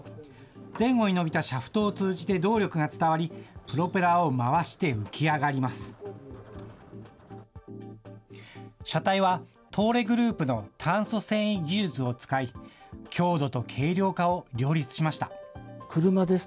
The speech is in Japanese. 前後に伸びたシャフトを通じて動力が伝わり、プロペラを回して浮き上がります。